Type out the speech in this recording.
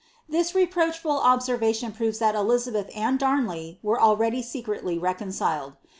This leproachful observation proves thai Elizabeth and Damley wets already secretly reconciled.